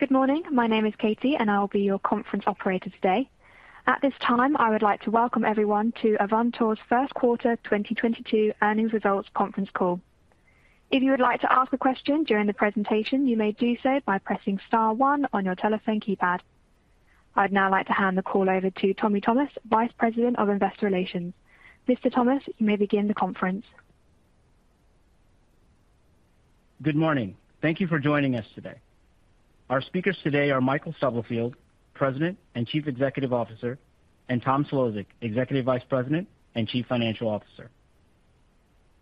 Good morning. My name is Katie, and I will be your conference operator today. At this time, I would like to welcome everyone to Avantor's first quarter 2022 earnings results conference call. If you would like to ask a question during the presentation, you may do so by pressing star one on your telephone keypad. I'd now like to hand the call over to Tommy Thomas, Vice President of Investor Relations. Mr. Thomas, you may begin the conference. Good morning. Thank you for joining us today. Our speakers today are Michael Stubblefield, President and Chief Executive Officer, and Tom Szlosek, Executive Vice President and Chief Financial Officer.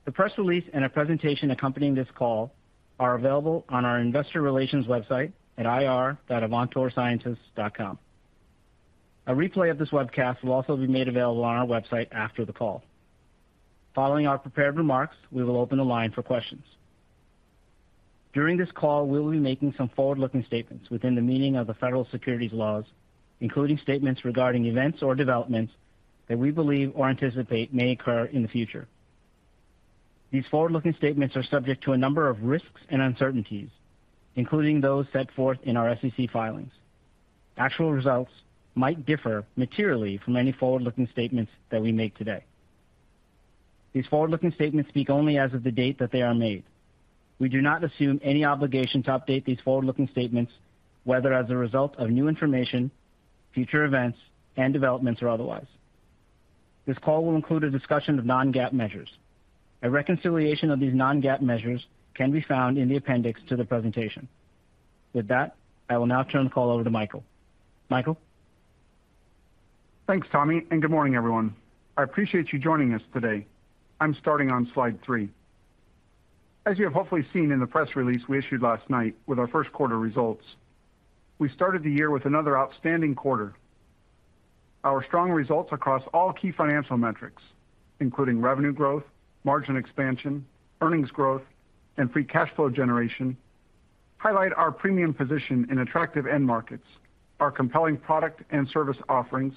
The press release and a presentation accompanying this call are available on our investor relations website at ir.avantorsciences.com. A replay of this webcast will also be made available on our website after the call. Following our prepared remarks, we will open the line for questions. During this call, we will be making some forward-looking statements within the meaning of the Federal Securities laws, including statements regarding events or developments that we believe or anticipate may occur in the future. These forward-looking statements are subject to a number of risks and uncertainties, including those set forth in our SEC filings. Actual results might differ materially from any forward-looking statements that we make today. These forward-looking statements speak only as of the date that they are made. We do not assume any obligation to update these forward-looking statements, whether as a result of new information, future events and developments or otherwise. This call will include a discussion of non-GAAP measures. A reconciliation of these non-GAAP measures can be found in the appendix to the presentation. With that, I will now turn the call over to Michael. Michael. Thanks, Tommy, and good morning, everyone. I appreciate you joining us today. I'm starting on Slide three. As you have hopefully seen in the press release we issued last night with our first quarter results, we started the year with another outstanding quarter. Our strong results across all key financial metrics, including revenue growth, margin expansion, earnings growth, and free cash flow generation, highlight our premium position in attractive end markets, our compelling product and service offerings,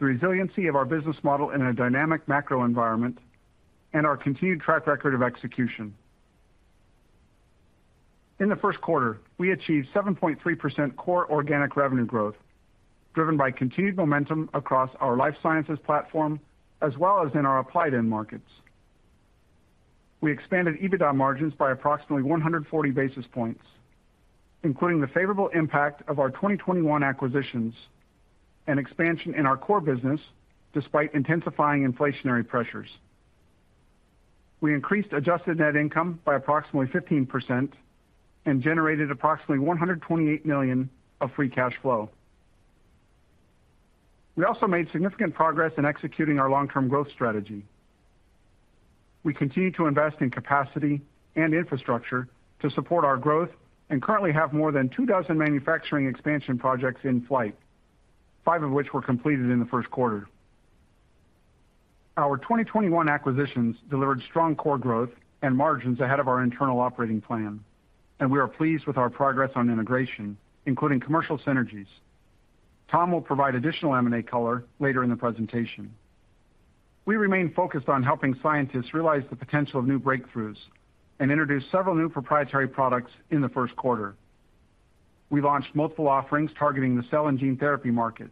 the resiliency of our business model in a dynamic macro environment, and our continued track record of execution. In the first quarter, we achieved 7.3% core organic revenue growth, driven by continued momentum across our life sciences platform as well as in our applied end markets. We expanded EBITDA margins by approximately 140 basis points, including the favorable impact of our 2021 acquisitions and expansion in our core business despite intensifying inflationary pressures. We increased adjusted net income by approximately 15% and generated approximately $128 million of free cash flow. We also made significant progress in executing our long-term growth strategy. We continue to invest in capacity and infrastructure to support our growth and currently have more than 24 manufacturing expansion projects in flight, 5 of which were completed in the first quarter. Our 2021 acquisitions delivered strong core growth and margins ahead of our internal operating plan, and we are pleased with our progress on integration, including commercial synergies. Tom will provide additional M&A color later in the presentation. We remain focused on helping scientists realize the potential of new breakthroughs and introduce several new proprietary products in the first quarter. We launched multiple offerings targeting the cell and gene therapy market,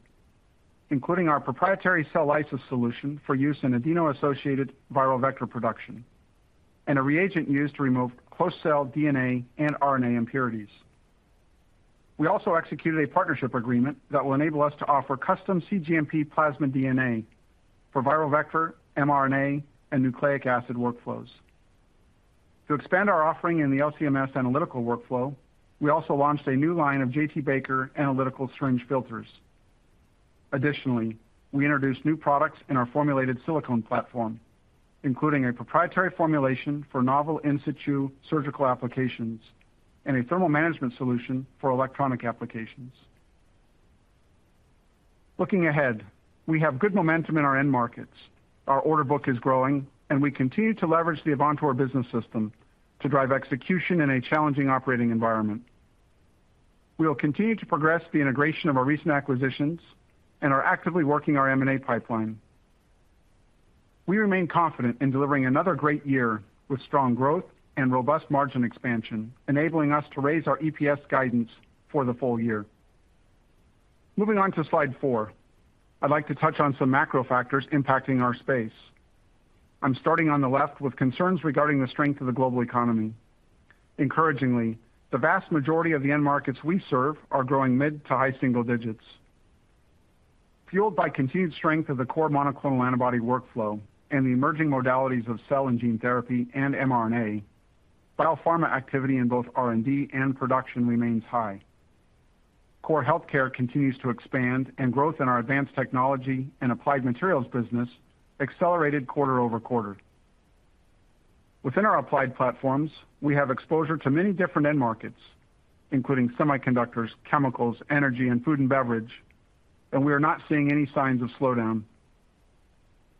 including our proprietary cell lysis solution for use in adeno-associated viral vector production and a reagent used to remove host cell DNA and RNA impurities. We also executed a partnership agreement that will enable us to offer custom cGMP plasmid DNA for viral vector, mRNA, and nucleic acid workflows. To expand our offering in the LC-MS analytical workflow, we also launched a new line of J.T.Baker analytical syringe filters. Additionally, we introduced new products in our formulated silicone platform, including a proprietary formulation for novel in situ surgical applications and a thermal management solution for electronic applications. Looking ahead, we have good momentum in our end markets. Our order book is growing, and we continue to leverage the Avantor Business System to drive execution in a challenging operating environment. We will continue to progress the integration of our recent acquisitions and are actively working our M&A pipeline. We remain confident in delivering another great year with strong growth and robust margin expansion, enabling us to raise our EPS guidance for the full year. Moving on to Slide four. I'd like to touch on some macro factors impacting our space. I'm starting on the left with concerns regarding the strength of the global economy. Encouragingly, the vast majority of the end markets we serve are growing mid- to high-single digits. Fueled by continued strength of the core monoclonal antibody workflow and the emerging modalities of cell and gene therapy and mRNA, biopharma activity in both R&D and production remains high. Core healthcare continues to expand, and growth in our Advanced Technologies & Applied Materials business accelerated quarter-over-quarter. Within our applied platforms, we have exposure to many different end markets, including semiconductors, chemicals, energy, and food and beverage, and we are not seeing any signs of slowdown.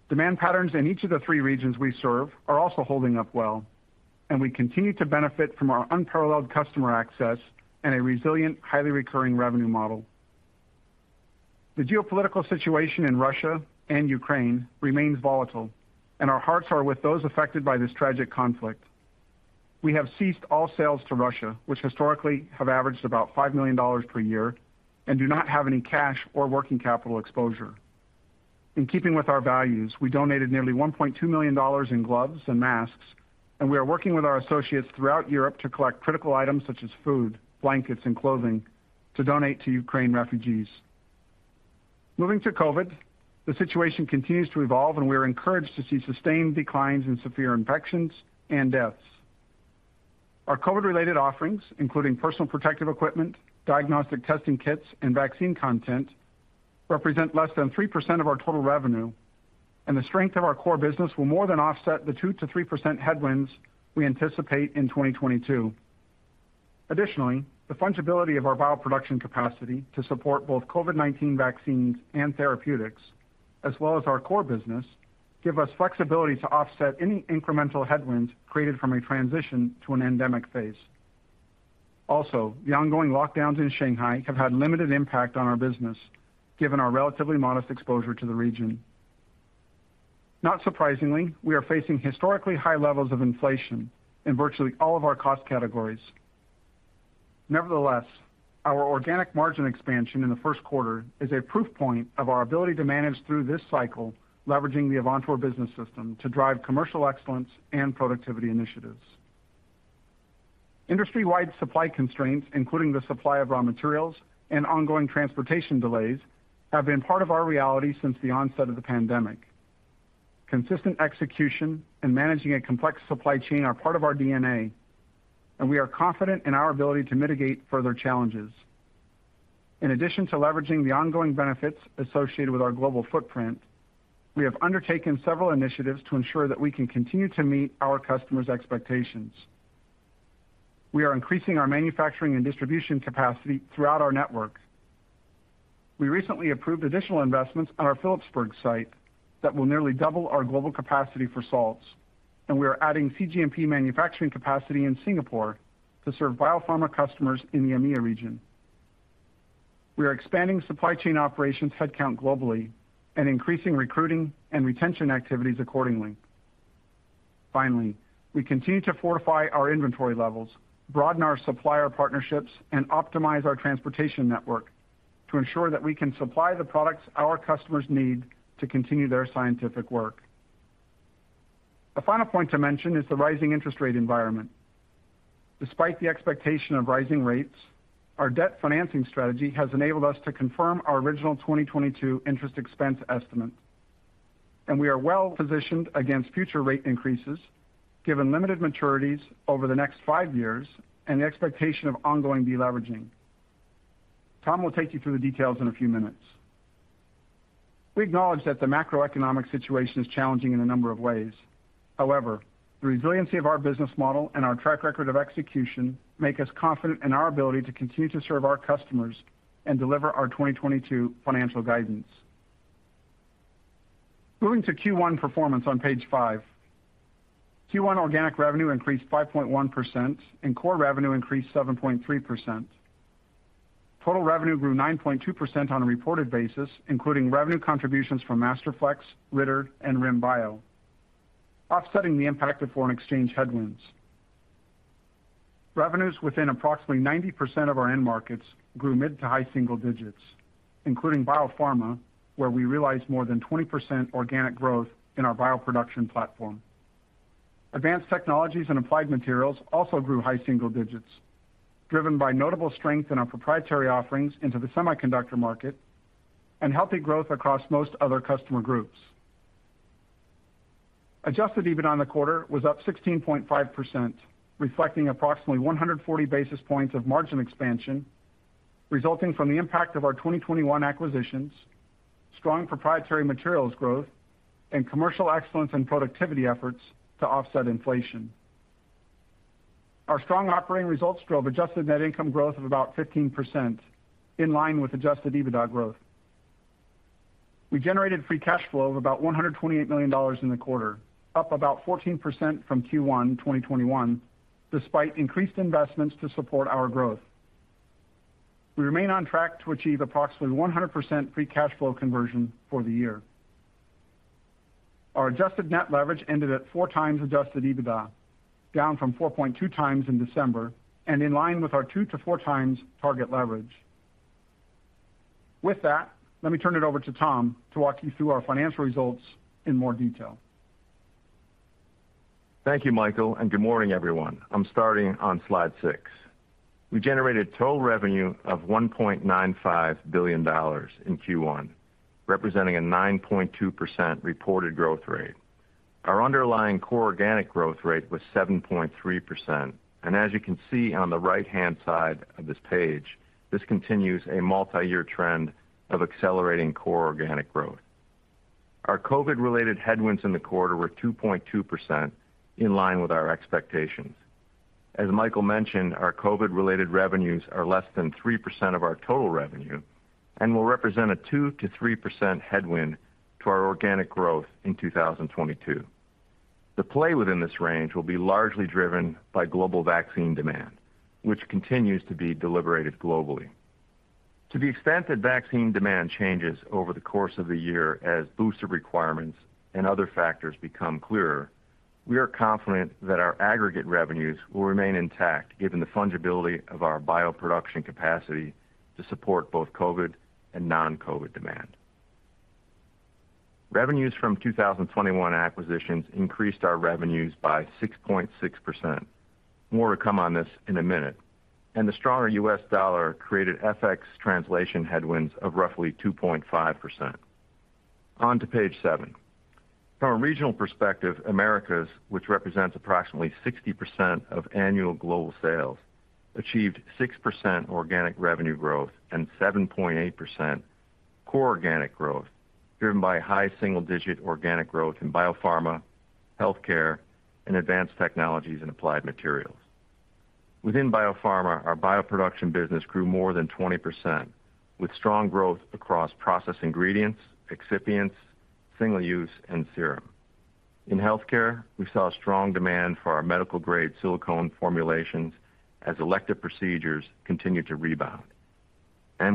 Demand patterns in each of the three regions we serve are also holding up well, and we continue to benefit from our unparalleled customer access and a resilient, highly recurring revenue model. The geopolitical situation in Russia and Ukraine remains volatile, and our hearts are with those affected by this tragic conflict. We have ceased all sales to Russia, which historically have averaged about $5 million per year and do not have any cash or working capital exposure. In keeping with our values, we donated nearly $1.2 million in gloves and masks, and we are working with our associates throughout Europe to collect critical items such as food, blankets, and clothing to donate to Ukraine refugees. Moving to COVID, the situation continues to evolve, and we are encouraged to see sustained declines in severe infections and deaths. Our COVID-related offerings, including personal protective equipment, diagnostic testing kits, and vaccine content, represent less than 3% of our total revenue, and the strength of our core business will more than offset the 2%-3% headwinds we anticipate in 2022. Additionally, the fungibility of our bioproduction capacity to support both COVID-19 vaccines and therapeutics, as well as our core business, give us flexibility to offset any incremental headwinds created from a transition to an endemic phase. Also, the ongoing lockdowns in Shanghai have had limited impact on our business, given our relatively modest exposure to the region. Not surprisingly, we are facing historically high levels of inflation in virtually all of our cost categories. Nevertheless, our organic margin expansion in the first quarter is a proof point of our ability to manage through this cycle, leveraging the Avantor Business System to drive commercial excellence and productivity initiatives. Industry-wide supply constraints, including the supply of raw materials and ongoing transportation delays, have been part of our reality since the onset of the pandemic. Consistent execution and managing a complex supply chain are part of our DNA, and we are confident in our ability to mitigate further challenges. In addition to leveraging the ongoing benefits associated with our global footprint, we have undertaken several initiatives to ensure that we can continue to meet our customers' expectations. We are increasing our manufacturing and distribution capacity throughout our network. We recently approved additional investments on our Phillipsburg site that will nearly double our global capacity for salts, and we are adding cGMP manufacturing capacity in Singapore to serve biopharma customers in the EMEA region. We are expanding supply chain operations headcount globally and increasing recruiting and retention activities accordingly. Finally, we continue to fortify our inventory levels, broaden our supplier partnerships, and optimize our transportation network to ensure that we can supply the products our customers need to continue their scientific work. A final point to mention is the rising interest rate environment. Despite the expectation of rising rates, our debt financing strategy has enabled us to confirm our original 2022 interest expense estimate, and we are well positioned against future rate increases given limited maturities over the next five years and the expectation of ongoing deleveraging. Tom will take you through the details in a few minutes. We acknowledge that the macroeconomic situation is challenging in a number of ways. However, the resiliency of our business model and our track record of execution make us confident in our ability to continue to serve our customers and deliver our 2022 financial guidance. Moving to Q1 performance on page five. Q1 organic revenue increased 5.1%, and core revenue increased 7.3%. Total revenue grew 9.2% on a reported basis, including revenue contributions from Masterflex, Ritter, and RIM Bio, offsetting the impact of foreign exchange headwinds. Revenues within approximately 90% of our end markets grew mid to high single digits, including biopharma, where we realized more than 20% organic growth in our bioproduction platform. Advanced Technologies & Applied Materials also grew high single digits, driven by notable strength in our proprietary offerings into the semiconductor market and healthy growth across most other customer groups. Adjusted EBIT on the quarter was up 16.5%, reflecting approximately 140 basis points of margin expansion resulting from the impact of our 2021 acquisitions, strong proprietary materials growth, and commercial excellence and productivity efforts to offset inflation. Our strong operating results drove adjusted net income growth of about 15%, in line with adjusted EBITDA growth. We generated free cash flow of about $128 million in the quarter, up about 14% from Q1 2021, despite increased investments to support our growth. We remain on track to achieve approximately 100% free cash flow conversion for the year. Our adjusted net leverage ended at 4x adjusted EBITDA, down from 4.2x in December and in line with our 2x-4x target leverage. With that, let me turn it over to Tom to walk you through our financial results in more detail. Thank you, Michael, and good morning, everyone. I'm starting on Slide six. We generated total revenue of $1.95 billion in Q1, representing a 9.2% reported growth rate. Our underlying core organic growth rate was 7.3%. As you can see on the right-hand side of this page, this continues a multi-year trend of accelerating core organic growth. Our COVID-related headwinds in the quarter were 2.2% in line with our expectations. As Michael mentioned, our COVID-related revenues are less than 3% of our total revenue and will represent a 2%-3% headwind to our organic growth in 2022. The play within this range will be largely driven by global vaccine demand, which continues to be deliberated globally. To the extent that vaccine demand changes over the course of the year as booster requirements and other factors become clearer, we are confident that our aggregate revenues will remain intact given the fungibility of our bioproduction capacity to support both COVID and non-COVID demand. Revenues from 2021 acquisitions increased our revenues by 6.6%. More to come on this in a minute. The stronger U.S. dollar created FX translation headwinds of roughly 2.5%. On to page seven. From a regional perspective, Americas, which represents approximately 60% of annual global sales, achieved 6% organic revenue growth and 7.8% core organic growth, driven by high single-digit organic growth in biopharma, healthcare, and Advanced Technologies & Applied Materials. Within biopharma, our bioproduction business grew more than 20%, with strong growth across process ingredients, excipients, single-use, and serum. In healthcare, we saw strong demand for our medical-grade silicone formulations as elective procedures continued to rebound.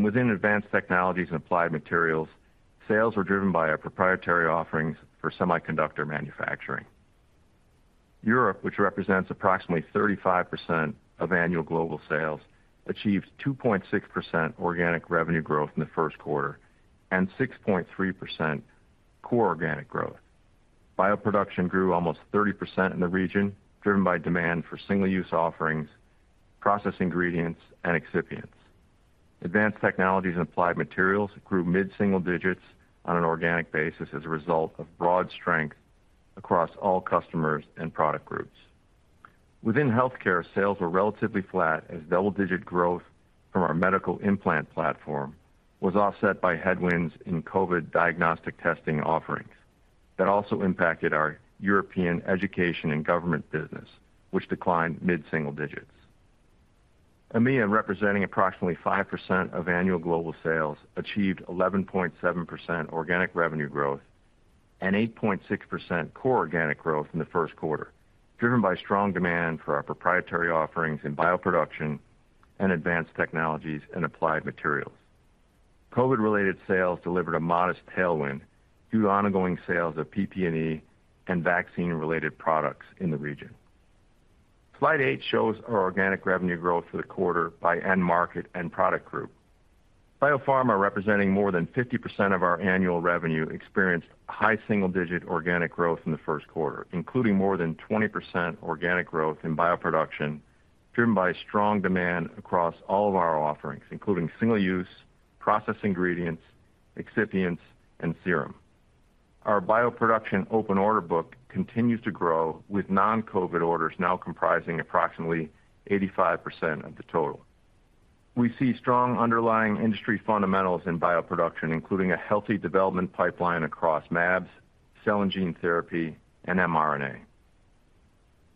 Within Advanced Technologies & Applied Materials, sales were driven by our proprietary offerings for semiconductor manufacturing. Europe, which represents approximately 35% of annual global sales, achieved 2.6% organic revenue growth in the first quarter and 6.3% core organic growth. Bioproduction grew almost 30% in the region, driven by demand for single-use offerings, process ingredients, and excipients. Advanced technologies and applied materials grew mid-single digits on an organic basis as a result of broad strength across all customers and product groups. Within healthcare, sales were relatively flat as double-digit growth from our medical implant platform was offset by headwinds in COVID diagnostic testing offerings. That also impacted our European education and government business, which declined mid-single digits%. EMEA, representing approximately 5% of annual global sales, achieved 11.7% organic revenue growth and 8.6% core organic growth in the first quarter, driven by strong demand for our proprietary offerings in bioproduction and Advanced Technologies & Applied Materials. COVID-related sales delivered a modest tailwind due to ongoing sales of PPE and vaccine-related products in the region. Slide eight shows our organic revenue growth for the quarter by end market and product group. Biopharma, representing more than 50% of our annual revenue, experienced high single-digit % organic growth in the first quarter, including more than 20% organic growth in bioproduction, driven by strong demand across all of our offerings, including single-use, process ingredients, excipients, and serum. Our bioproduction open order book continues to grow, with non-COVID orders now comprising approximately 85% of the total. We see strong underlying industry fundamentals in bioproduction, including a healthy development pipeline across mAbs, cell and gene therapy, and mRNA.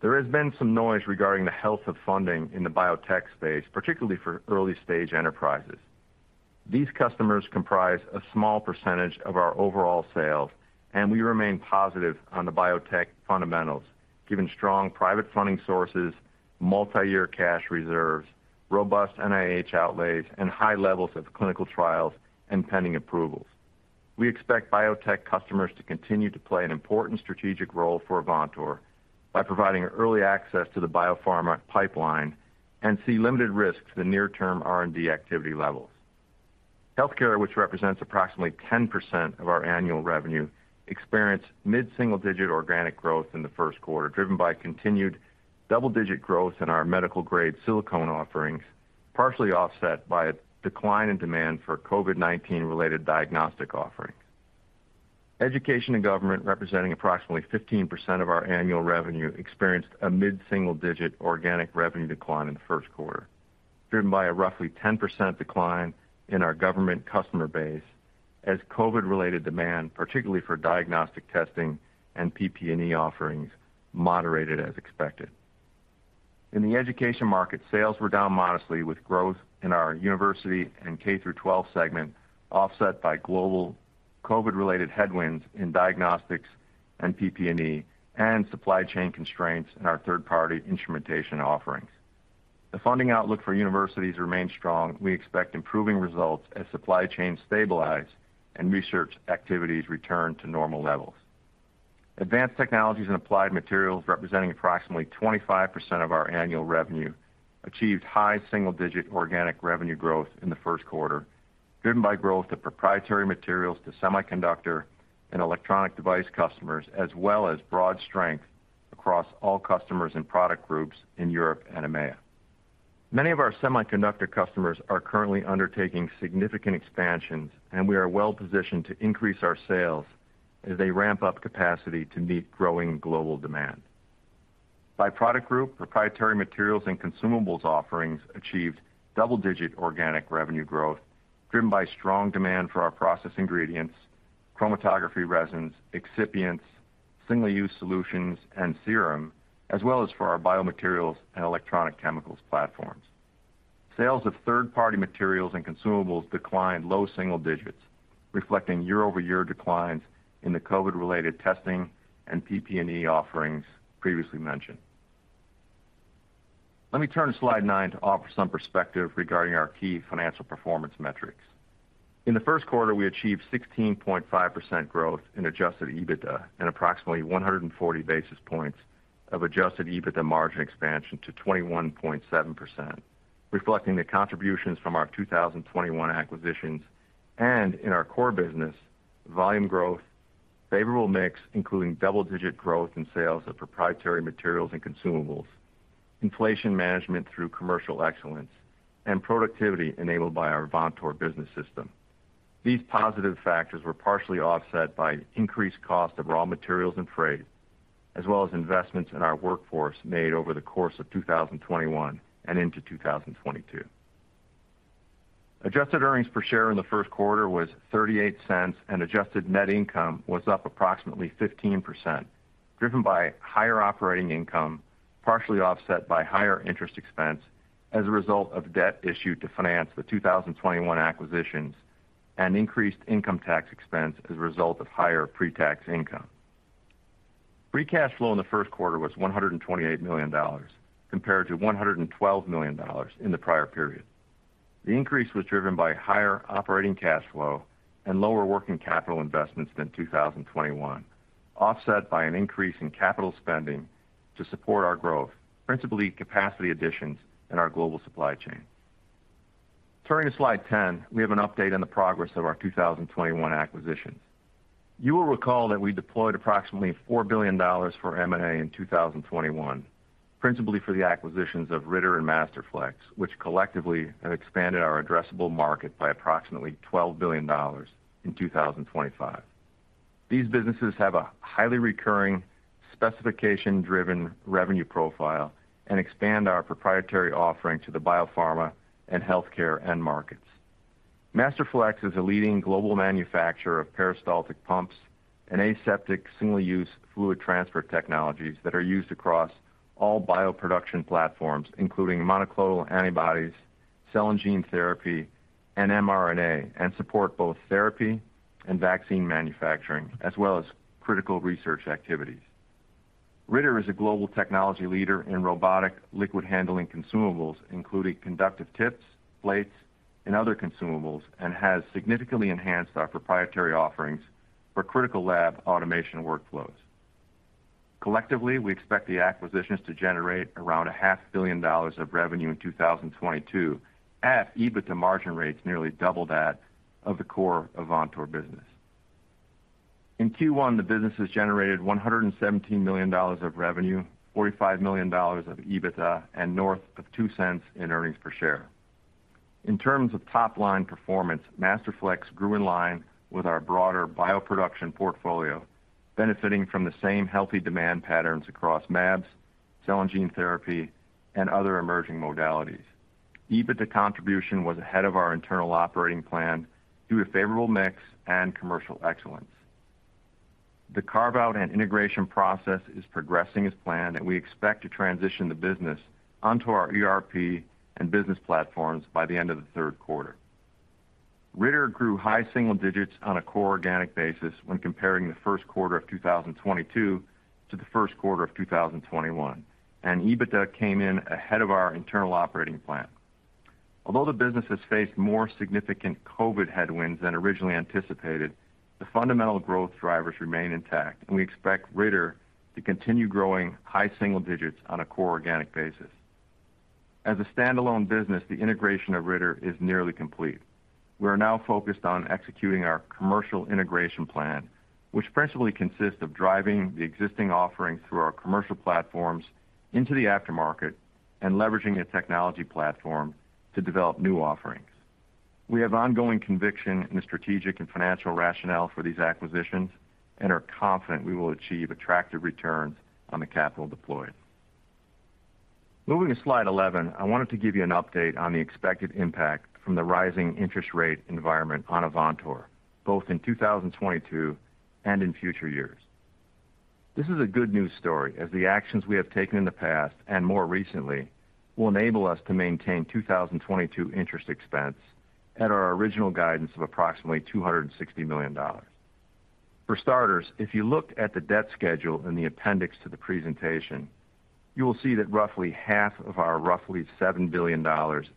There has been some noise regarding the health of funding in the biotech space, particularly for early-stage enterprises. These customers comprise a small percentage of our overall sales, and we remain positive on the biotech fundamentals, given strong private funding sources, multi-year cash reserves, robust NIH outlays, and high levels of clinical trials and pending approvals. We expect biotech customers to continue to play an important strategic role for Avantor by providing early access to the biopharma pipeline and see limited risk to the near-term R&D activity levels. Healthcare, which represents approximately 10% of our annual revenue, experienced mid-single-digit organic growth in the first quarter, driven by continued double-digit growth in our medical-grade silicone offerings, partially offset by a decline in demand for COVID-19-related diagnostic offerings. Education and government, representing approximately 15% of our annual revenue, experienced a mid-single-digit organic revenue decline in the first quarter, driven by a roughly 10% decline in our government customer base as COVID-related demand, particularly for diagnostic testing and PPE offerings, moderated as expected. In the education market, sales were down modestly, with growth in our university and K through 12 segment offset by global COVID-related headwinds in diagnostics and PPE and supply chain constraints in our third-party instrumentation offerings. The funding outlook for universities remains strong. We expect improving results as supply chains stabilize and research activities return to normal levels. Advanced Technologies & Applied Materials, representing approximately 25% of our annual revenue, achieved high single-digit % organic revenue growth in the first quarter, driven by growth to proprietary materials to semiconductor and electronic device customers, as well as broad strength across all customers and product groups in Europe and EMEA. Many of our semiconductor customers are currently undertaking significant expansions, and we are well-positioned to increase our sales as they ramp up capacity to meet growing global demand. By product group, proprietary materials and consumables offerings achieved double-digit % organic revenue growth, driven by strong demand for our process ingredients, chromatography resins, excipients, single-use solutions, and serum, as well as for our biomaterials and electronic chemicals platforms. Sales of third-party materials and consumables declined low single-digit %, reflecting year-over-year declines in the COVID-related testing and PPE offerings previously mentioned. Let me turn to Slide nine to offer some perspective regarding our key financial performance metrics. In the first quarter, we achieved 16.5% growth in adjusted EBITDA and approximately 140 basis points of adjusted EBITDA margin expansion to 21.7%, reflecting the contributions from our 2021 acquisitions and in our core business, volume growth, favorable mix, including double-digit growth in sales of proprietary materials and consumables, inflation management through commercial excellence, and productivity enabled by our Avantor Business System. These positive factors were partially offset by increased cost of raw materials and freight, as well as investments in our workforce made over the course of 2021 and into 2022. Adjusted earnings per share in the first quarter was $0.38, and adjusted net income was up approximately 15%, driven by higher operating income, partially offset by higher interest expense as a result of debt issued to finance the 2021 acquisitions and increased income tax expense as a result of higher pre-tax income. Free cash flow in the first quarter was $128 million compared to $112 million in the prior period. The increase was driven by higher operating cash flow and lower working capital investments than 2021, offset by an increase in capital spending to support our growth, principally capacity additions in our global supply chain. Turning to Slide 10, we have an update on the progress of our 2021 acquisitions. You will recall that we deployed approximately $4 billion for M&A in 2021, principally for the acquisitions of Ritter and Masterflex, which collectively have expanded our addressable market by approximately $12 billion in 2025. These businesses have a highly recurring, specification-driven revenue profile and expand our proprietary offering to the biopharma and healthcare end markets. Masterflex is a leading global manufacturer of peristaltic pumps and aseptic single-use fluid transfer technologies that are used across all bioproduction platforms, including monoclonal antibodies, cell and gene therapy, and mRNA, and support both therapy and vaccine manufacturing, as well as critical research activities. Ritter is a global technology leader in robotic liquid handling consumables, including conductive tips, plates, and other consumables, and has significantly enhanced our proprietary offerings for critical lab automation workflows. Collectively, we expect the acquisitions to generate around $ half billion of revenue in 2022 at EBITDA margin rates nearly double that of the core Avantor business. In Q1, the businesses generated $117 million of revenue, $45 million of EBITDA, and north of $0.02 in earnings per share. In terms of top-line performance, Masterflex grew in line with our broader bioproduction portfolio, benefiting from the same healthy demand patterns across mAbs, cell and gene therapy, and other emerging modalities. EBITDA contribution was ahead of our internal operating plan due to favorable mix and commercial excellence. The carve-out and integration process is progressing as planned, and we expect to transition the business onto our ERP and business platforms by the end of the third quarter. Ritter grew high single digits on a core organic basis when comparing the first quarter of 2022 to the first quarter of 2021, and EBITDA came in ahead of our internal operating plan. Although the business has faced more significant COVID headwinds than originally anticipated, the fundamental growth drivers remain intact, and we expect Ritter to continue growing high single digits on a core organic basis. As a standalone business, the integration of Ritter is nearly complete. We are now focused on executing our commercial integration plan, which principally consists of driving the existing offerings through our commercial platforms into the aftermarket and leveraging a technology platform to develop new offerings. We have ongoing conviction in the strategic and financial rationale for these acquisitions and are confident we will achieve attractive returns on the capital deployed. Moving to Slide 11, I wanted to give you an update on the expected impact from the rising interest rate environment on Avantor, both in 2022 and in future years. This is a good news story as the actions we have taken in the past, and more recently, will enable us to maintain 2022 interest expense at our original guidance of approximately $260 million. For starters, if you look at the debt schedule in the appendix to the presentation, you will see that roughly half of our roughly $7 billion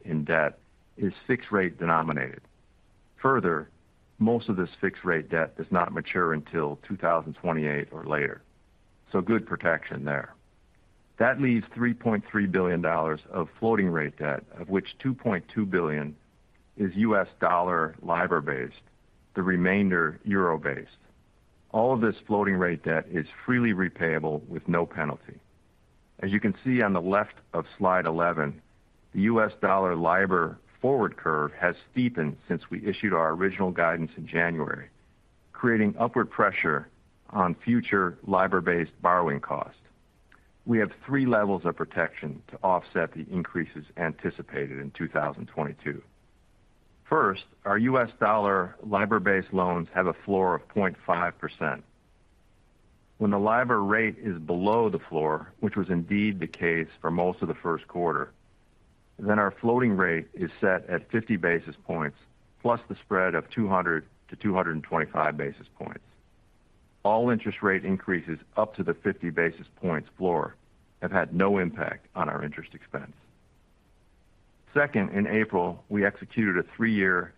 in debt is fixed rate denominated. Further, most of this fixed rate debt does not mature until 2028 or later. Good protection there. That leaves $3.3 billion of floating rate debt, of which $2.2 billion is US dollar LIBOR-based, the remainder euro-based. All of this floating rate debt is freely repayable with no penalty. As you can see on the left of Slide 11, the US dollar LIBOR forward curve has steepened since we issued our original guidance in January, creating upward pressure on future LIBOR-based borrowing costs. We have three levels of protection to offset the increases anticipated in 2022. First, our US dollar LIBOR-based loans have a floor of 0.5%. When the LIBOR rate is below the floor, which was indeed the case for most of the first quarter, then our floating rate is set at 50 basis points plus the spread of 200-225 basis points. All interest rate increases up to the 50 basis points floor have had no impact on our interest expense. Second, in April, we executed a three-year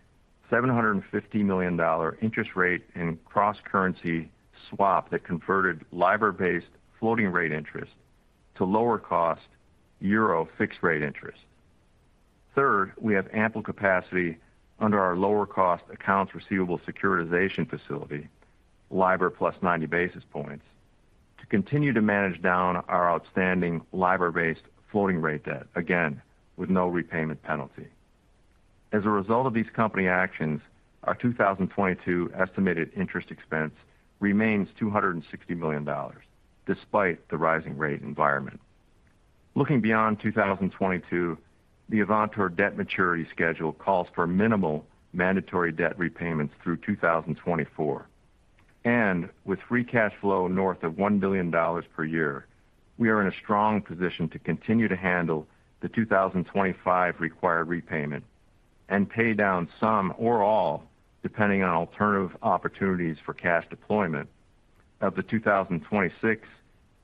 $750 million interest rate and cross-currency swap that converted LIBOR-based floating rate interest to lower cost euro fixed rate interest. Third, we have ample capacity under our lower cost accounts receivable securitization facility, LIBOR plus 90 basis points, to continue to manage down our outstanding LIBOR-based floating rate debt, again, with no repayment penalty. As a result of these company actions, our 2022 estimated interest expense remains $260 million despite the rising rate environment. Looking beyond 2022, the Avantor debt maturity schedule calls for minimal mandatory debt repayments through 2024. With free cash flow north of $1 billion per year, we are in a strong position to continue to handle the 2025 required repayment and pay down some or all, depending on alternative opportunities for cash deployment of the 2026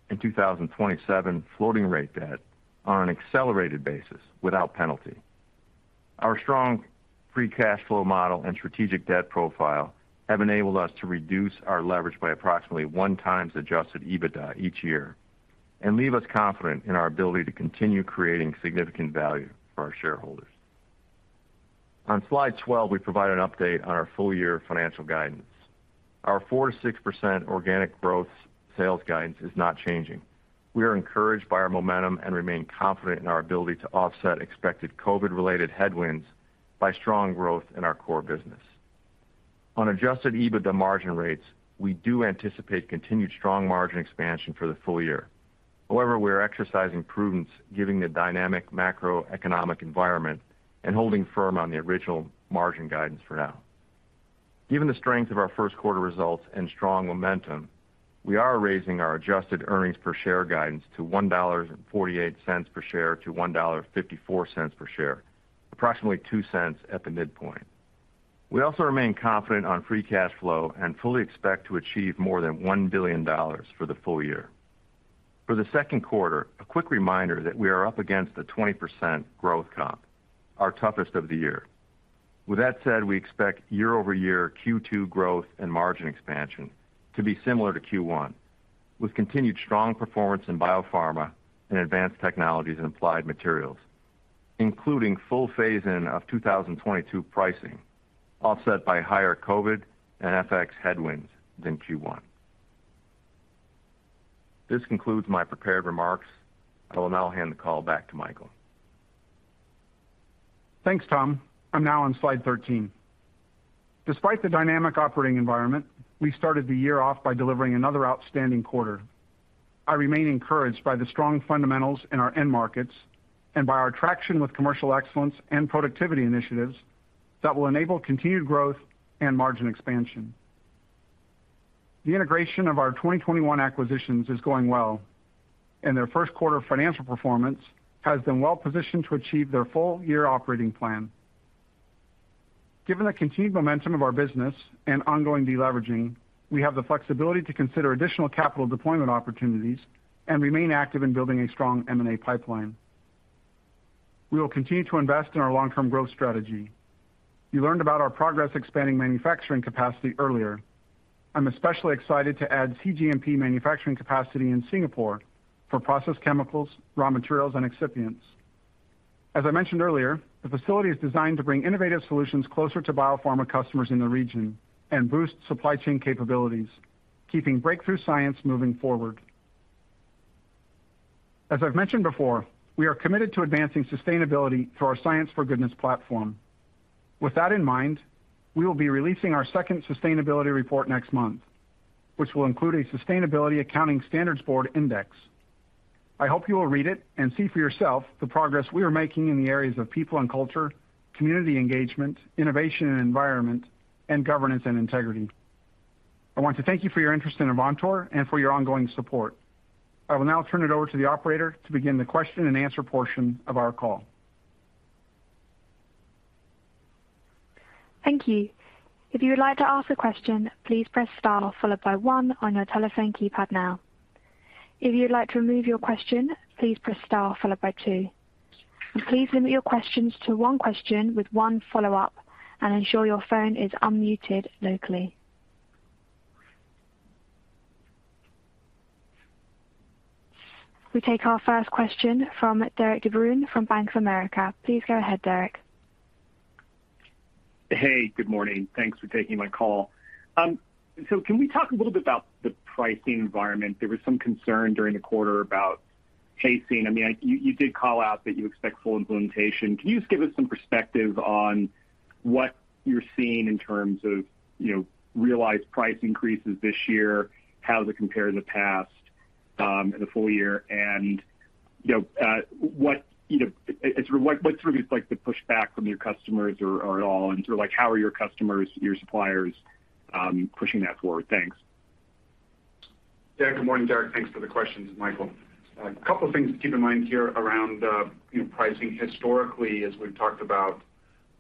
and 2027 floating rate debt on an accelerated basis without penalty. Our strong free cash flow model and strategic debt profile have enabled us to reduce our leverage by approximately 1x adjusted EBITDA each year and leave us confident in our ability to continue creating significant value for our shareholders. On Slide 12, we provide an update on our full year financial guidance. Our 4%-6% organic growth sales guidance is not changing. We are encouraged by our momentum and remain confident in our ability to offset expected COVID-related headwinds by strong growth in our core business. On adjusted EBITDA margin rates, we do anticipate continued strong margin expansion for the full year. However, we are exercising prudence giving the dynamic macroeconomic environment and holding firm on the original margin guidance for now. Given the strength of our first quarter results and strong momentum, we are raising our adjusted earnings per share guidance to $1.48 per share-$1.54 per share, approximately $0.02 at the midpoint. We also remain confident on free cash flow and fully expect to achieve more than $1 billion for the full year. For the second quarter, a quick reminder that we are up against the 20% growth comp, our toughest of the year. With that said, we expect year-over-year Q2 growth and margin expansion to be similar to Q1, with continued strong performance in biopharma and Advanced Technologies & Applied Materials, including full phase-in of 2022 pricing, offset by higher COVID and FX headwinds than Q1. This concludes my prepared remarks. I will now hand the call back to Michael. Thanks, Tom. I'm now on Slide 13. Despite the dynamic operating environment, we started the year off by delivering another outstanding quarter. I remain encouraged by the strong fundamentals in our end markets and by our traction with commercial excellence and productivity initiatives that will enable continued growth and margin expansion. The integration of our 2021 acquisitions is going well, and their first quarter financial performance has been well positioned to achieve their full year operating plan. Given the continued momentum of our business and ongoing deleveraging, we have the flexibility to consider additional capital deployment opportunities and remain active in building a strong M&A pipeline. We will continue to invest in our long-term growth strategy. You learned about our progress expanding manufacturing capacity earlier. I'm especially excited to add cGMP manufacturing capacity in Singapore for processed chemicals, raw materials, and excipients. As I mentioned earlier, the facility is designed to bring innovative solutions closer to biopharma customers in the region and boost supply chain capabilities, keeping breakthrough science moving forward. As I've mentioned before, we are committed to advancing sustainability through our Science for Goodness platform. With that in mind, we will be releasing our second sustainability report next month, which will include a Sustainability Accounting Standards Board index. I hope you will read it and see for yourself the progress we are making in the areas of people and culture, community engagement, innovation and environment, and governance and integrity. I want to thank you for your interest in Avantor and for your ongoing support. I will now turn it over to the operator to begin the question and answer portion of our call. Thank you. If you would like to ask a question, please press star followed by one on your telephone keypad now. If you'd like to remove your question, please press star followed by two. Please limit your questions to one question with one follow-up and ensure your phone is unmuted locally. We take our first question from Derik De Bruin from Bank of America. Please go ahead, Derik. Hey, good morning. Thanks for taking my call. Can we talk a little bit about the pricing environment? There was some concern during the quarter about chasing. You did call out that you expect full implementation. Can you just give us some perspective on what you're seeing in terms of realized price increases this year? How does it compare to the past? In the full year. What sort of is like the pushback from your customers or at all, and sort of like how are your customers, your suppliers pushing that forward? Thanks. Good morning, Derik. Thanks for the questions, Michael. A couple of things to keep in mind here around, you know, pricing. Historically, as we've talked about,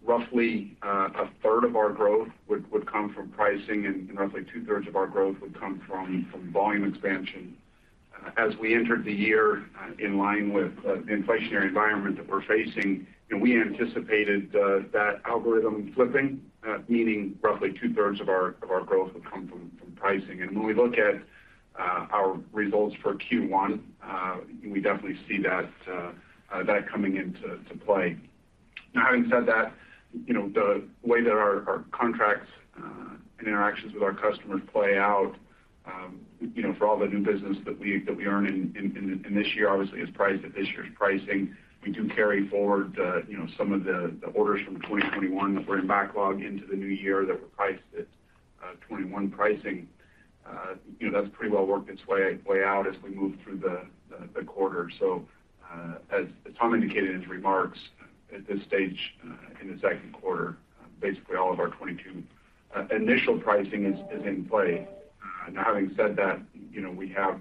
roughly 1/3 of our growth would come from pricing and roughly 2/3 of our growth would come from volume expansion. As we entered the year in line with the inflationary environment that we're facing, you know, we anticipated that algorithm flipping, meaning roughly 2/3 of our growth would come from pricing. When we look at our results for Q1, we definitely see that coming into play. Now, having said that, you know, the way that our contracts and interactions with our customers play out, you know, for all the new business that we earn in this year, obviously is priced at this year's pricing. We do carry forward, you know, some of the orders from 2021 that were in backlog into the new year that were priced at 2021 pricing. You know, that's pretty well worked its way out as we move through the quarter. As Tom indicated in his remarks, at this stage in the second quarter, basically all of our 2022 initial pricing is in play. Now having said that, you know, we have,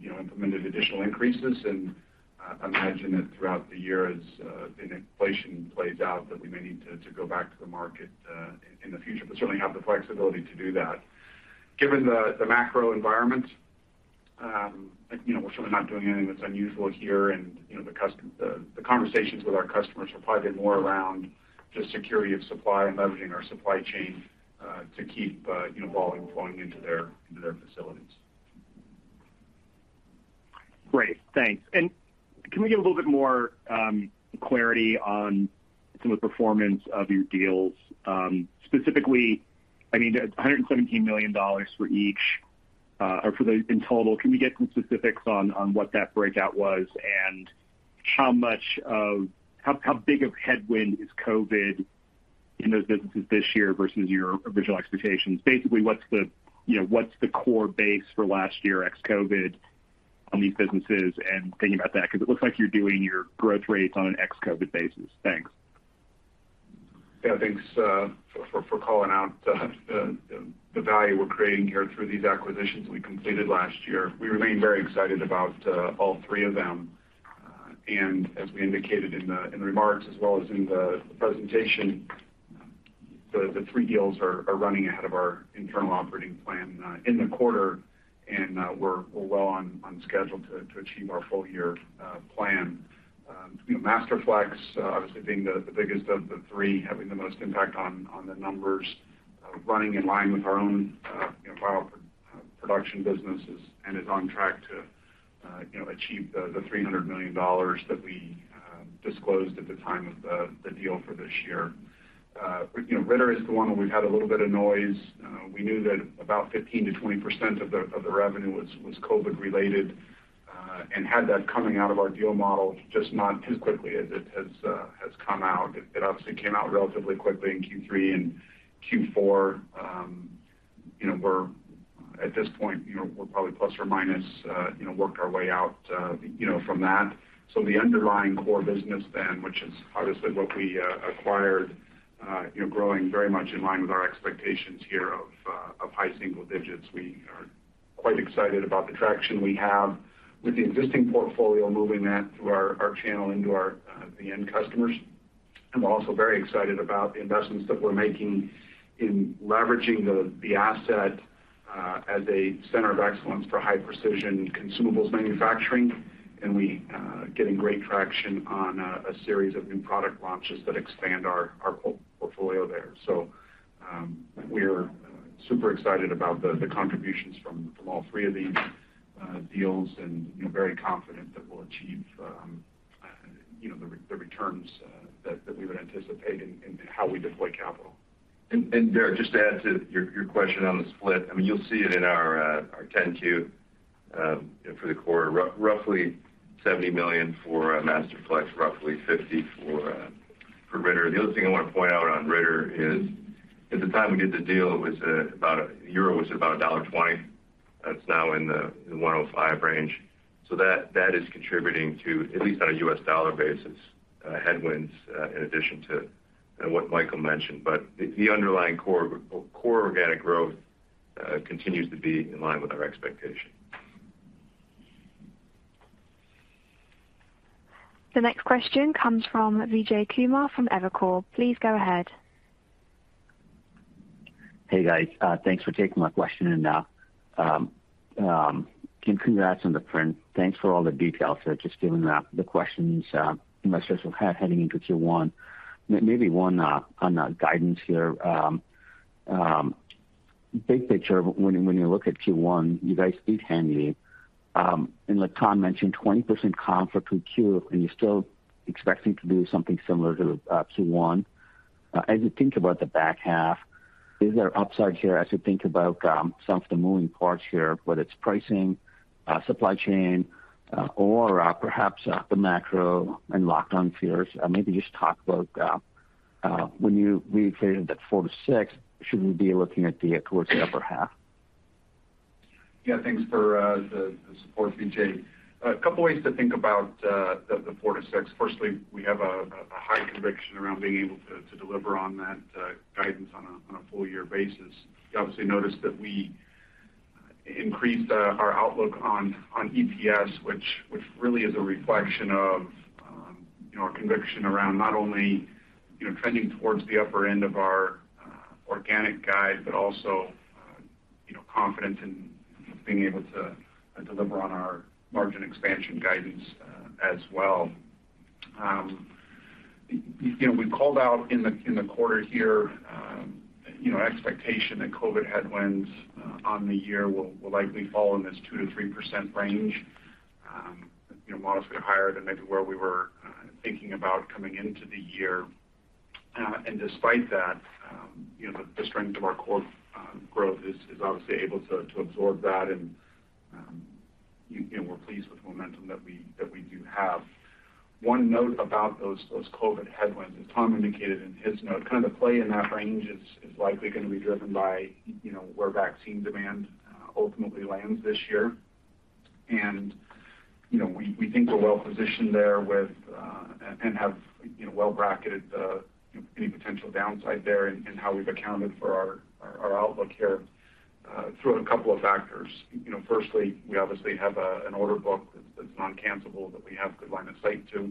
you know, implemented additional increases, and imagine that throughout the year as inflation plays out, that we may need to go back to the market in the future, but certainly have the flexibility to do that. Given the macro environment, you know, we're certainly not doing anything that's unusual here. You know, the conversations with our customers will probably be more around just security of supply and leveraging our supply chain to keep, you know, volume flowing into their facilities. Great. Thanks. Can we get a little bit more clarity on some of the performance of your deals? Specifically, I mean, $117 million for each or for the in total. Can we get some specifics on what that breakout was and how big of headwind is COVID in those businesses this year versus your original expectations? Basically, what's the, you know, what's the core base for last year ex-COVID on these businesses, and thinking about that? Because it looks like you're doing your growth rates on an ex-COVID basis. Thanks. Yeah, thanks for calling out the value we're creating here through these acquisitions we completed last year. We remain very excited about all three of them. As we indicated in the remarks as well as in the presentation, the three deals are running ahead of our internal operating plan in the quarter. We're well on schedule to achieve our full year plan. You know, Masterflex obviously being the biggest of the three, having the most impact on the numbers, running in line with our own, you know, vinyl production businesses and is on track to, you know, achieve the $300 million that we disclosed at the time of the deal for this year. You know, Ritter is the one where we've had a little bit of noise. We knew that about 15%-20% of the revenue was COVID related, and had that coming out of our deal model, just not as quickly as it has come out. It obviously came out relatively quickly in Q3 and Q4. You know, we're at this point, you know, we're probably ±, you know, worked our way out, you know, from that. The underlying core business then, which is obviously what we acquired, you know, growing very much in line with our expectations here of high single digits. We are quite excited about the traction we have with the existing portfolio, moving that through our channel into the end customers. We're also very excited about the investments that we're making in leveraging the asset as a center of excellence for high precision consumables manufacturing. We're getting great traction on a series of new product launches that expand our portfolio there. We're super excited about the contributions from all three of these deals and, you know, very confident that we'll achieve the returns that we would anticipate in how we deploy capital. Derik, just to add to your question on the split. I mean, you'll see it in our 10-Q, you know, for the quarter, roughly $70 million for Masterflex, roughly $50 million for Ritter. The other thing I wanna point out on Ritter is, at the time we did the deal, it was about euro was about $1.20. It's now in the $1.05 range. That is contributing to, at least on a U.S. dollar basis, headwinds, in addition to, you know, what Michael mentioned. The underlying core organic growth continues to be in line with our expectation. The next question comes from Vijay Kumar from Evercore. Please go ahead. Hey, guys. Thanks for taking my question. Congrats on the print. Thanks for all the details there. Just given the questions investors have had heading into Q1. Maybe one on the guidance here. Big picture, when you look at Q1, you guys beat handily. Like Tom mentioned, 20% comp for Q2, and you're still expecting to do something similar to Q1. As you think about the back half, is there upside here as you think about some of the moving parts here, whether it's pricing, supply chain, or perhaps the macro and lockdown fears? Maybe just talk about when we stated that 4%-6%, should we be looking towards the upper half? Yeah, thanks for the support, Vijay. A couple ways to think about the 4%-6%. Firstly, we have a high conviction around being able to deliver on that guidance on a full year basis. You obviously noticed that we increased our outlook on EPS, which really is a reflection of you know, our conviction around not only you know, trending towards the upper end of our organic guide, but also you know, confidence in being able to deliver on our margin expansion guidance as well. You know, we called out in the quarter here you know, expectation that COVID headwinds on the year will likely fall in this 2%-3% range. You know, modestly higher than maybe where we were thinking about coming into the year. Despite that, you know, the strength of our core growth is obviously able to absorb that. You know, we're pleased with the momentum that we do have. One note about those COVID headwinds, as Tom indicated in his note, kind of the play in that range is likely gonna be driven by, you know, where vaccine demand ultimately lands this year. You know, we think we're well positioned there with and have, you know, well bracketed any potential downside there in how we've accounted for our outlook here through a couple of factors. You know, firstly, we obviously have an order book that's non-cancelable that we have good line of sight to.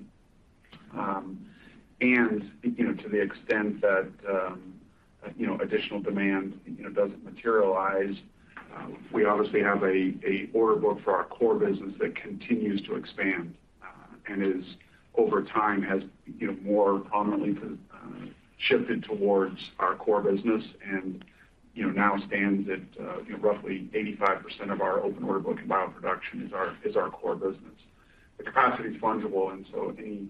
You know, to the extent that additional demand doesn't materialize, we obviously have an order book for our core business that continues to expand and over time has more prominently shifted towards our core business and now stands at roughly 85% of our open order book in bioproduction is our core business. The capacity is fungible, and so any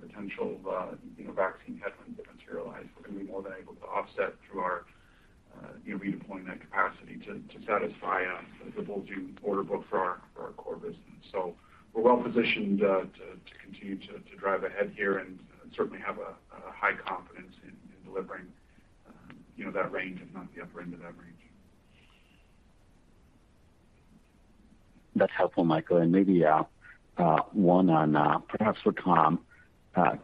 potential vaccine headwinds that materialize, we're gonna be more than able to offset through our redeploying that capacity to satisfy the bulging order book for our core business. We're well positioned to continue to drive ahead here and certainly have a high confidence in delivering, you know, that range, if not the upper end of that range. That's helpful, Michael. Maybe one on perhaps for Tom. The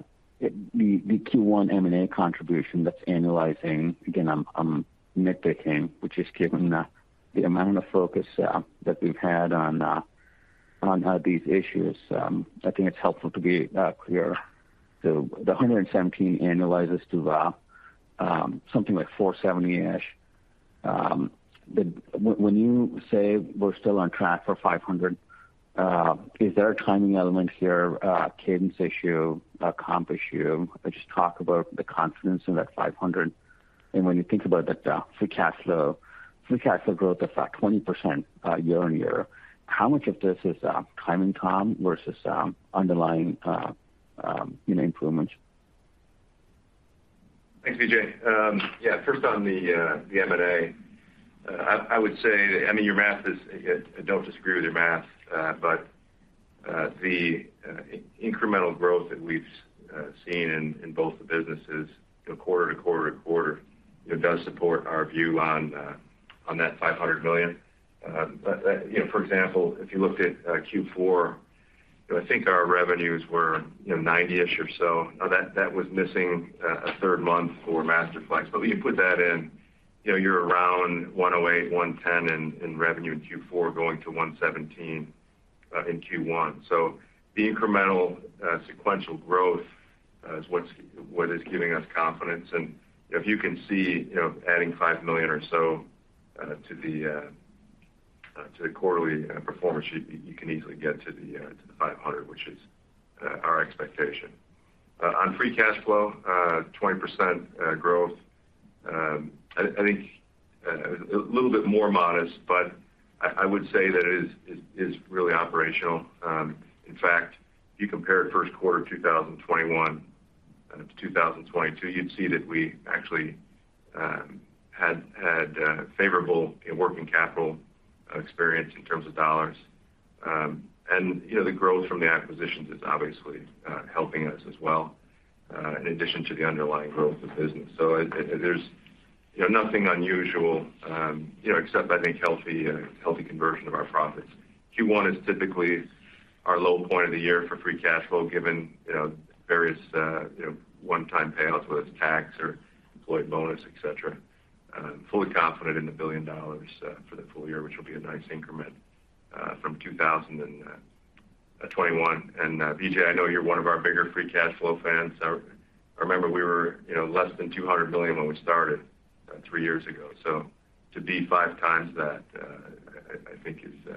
Q1 M&A contribution that's annualizing. Again, I'm nitpicking, which is given the amount of focus that we've had on these issues, I think it's helpful to be clear. The 117 annualizes to something like 470-ish. When you say we're still on track for 500, is there a timing element here, a cadence issue, a comp issue? Just talk about the confidence in that 500. When you think about the free cash flow, free cash flow growth of 20% year-on-year, how much of this is timing, Tom, versus underlying, you know, improvements? Thanks, Vijay. Yeah, first on the M&A. I would say, I mean, your math is. I don't disagree with your math. But the incremental growth that we've seen in both the businesses, you know, quarter-to-quarter to quarter, you know, does support our view on that $500 million. You know, for example, if you looked at Q4, you know, I think our revenues were $90-ish or so. Now that was missing a third month for Masterflex. But when you put that in, you know, you're around $108, $110 in revenue in Q4 going to $117 in Q1. The incremental sequential growth is what's giving us confidence. If you can see, you know, adding $5 million or so to the quarterly performance sheet, you can easily get to the 500, which is our expectation. On free cash flow, 20% growth. I think a little bit more modest, but I would say that it is really operational. In fact, if you compared first quarter of 2021 to 2022, you'd see that we actually had favorable, you know, working capital experience in terms of dollars. You know, the growth from the acquisitions is obviously helping us as well, in addition to the underlying growth of business. There's nothing unusual, you know, except I think healthy conversion of our profits. Q1 is typically our low point of the year for free cash flow, given you know various you know one-time payouts, whether it's tax or employee bonus, et cetera. Fully confident in the $1 billion for the full year, which will be a nice increment from 2021. Vijay, I know you're one of our bigger free cash flow fans. I remember we were you know less than $200 million when we started three years ago. To be 5 times that, I think is you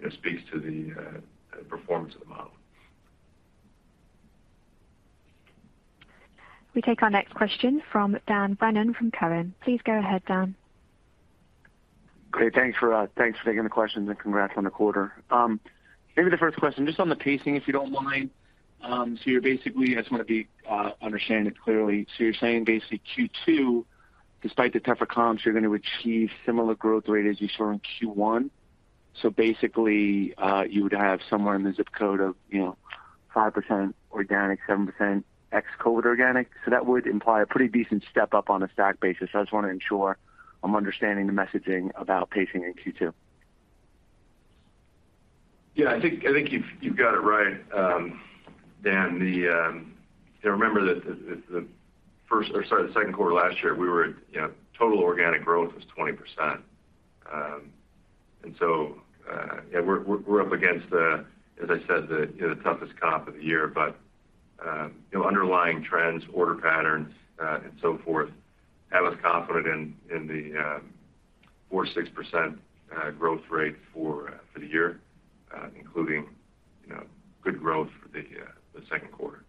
know speaks to the performance of the model. We take our next question from Dan Brennan from Cowen. Please go ahead, Dan. Great. Thanks for taking the questions, and congrats on the quarter. Maybe the first question, just on the pacing, if you don't mind. You're basically, I just wanna be understanding it clearly. You're saying basically Q2, despite the tougher comps, you're gonna achieve similar growth rate as you saw in Q1? Basically, you would have somewhere in the zip code of, you know, 5% organic, 7% X code organic. That would imply a pretty decent step up on a stack basis. I just want to ensure I'm understanding the messaging about pacing in Q2. Yeah, I think you've got it right. Remember that the second quarter last year, total organic growth was 20%. Yeah, we're up against, as I said, the toughest comp of the year. Underlying trends, order patterns, and so forth have us confident in the 4%-6% growth rate for the year, including good growth for the second quarter.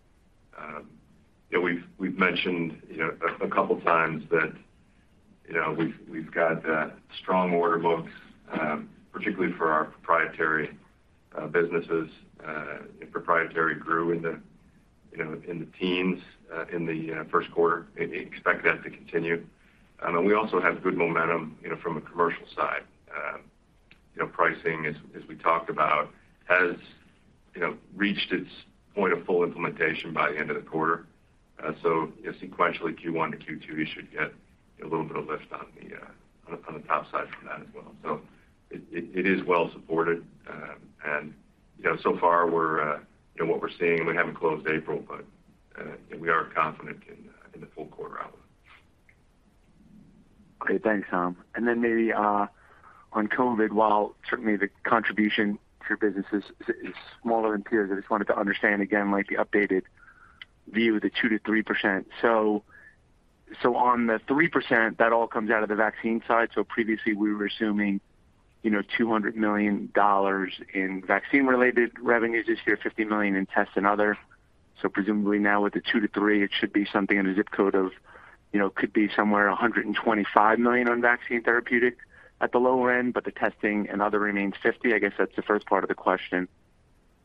Yeah, we've mentioned a couple of times that we've got strong order books, particularly for our proprietary businesses. Proprietary grew in the teens in the first quarter. Expect that to continue. We also have good momentum, you know, from a commercial side. You know, pricing as we talked about has, you know, reached its point of full implementation by the end of the quarter. Sequentially Q1 to Q2, you should get a little bit of lift on the top side from that as well. It is well supported. You know, so far what we're seeing, we haven't closed April, but we are confident in the full quarter outlook. Great. Thanks, Tom. Maybe on COVID, while certainly the contribution to your business is smaller than peers. I just wanted to understand again, like the updated view of the 2%-3%. So on the 3%, that all comes out of the vaccine side. Previously we were assuming, you know, $200 million in vaccine-related revenues this year, $50 million in tests and other. Presumably now with the 2%-3%, it should be something in the zip code of, you know, could be somewhere $125 million on vaccine therapeutic at the lower end, but the testing and other remains $50 million. I guess that's the first part of the question.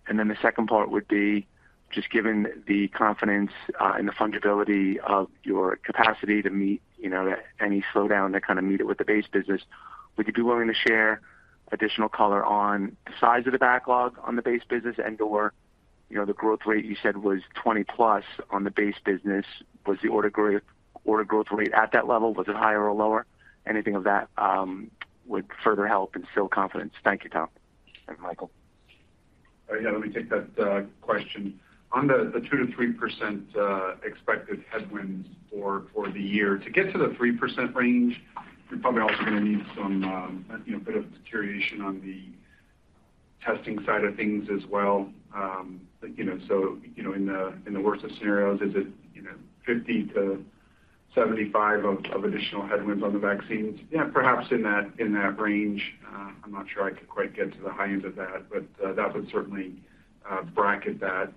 The second part would be just given the confidence, and the fungibility of your capacity to meet, you know, any slowdown to kind of meet it with the base business, would you be willing to share additional color on the size of the backlog on the base business and/or, you know, the growth rate you said was 20%+ on the base business? Was the order growth rate at that level? Was it higher or lower? Anything of that would further help instill confidence. Thank you, Tom. Michael. Yeah, let me take that question. On the 2%-3% expected headwinds for the year. To get to the 3% range, you're probably also going to need some you know bit of deterioration on the testing side of things as well. You know, in the worst of scenarios, is it you know 50-75 of additional headwinds on the vaccines? Yeah, perhaps in that range. I'm not sure I could quite get to the high end of that, but that would certainly bracket that.